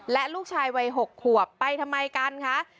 และลูกชายวัย๖ขวบไปทำไมกันคะ